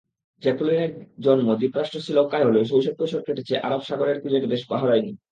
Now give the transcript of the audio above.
জ্যাকুলিনের জন্ম দ্বীপরাষ্ট্র শ্রীলঙ্কায় হলেও শৈশব-কৈশোর কেটেছে আরব সাগরের তীরের দেশ বাহরাইনে।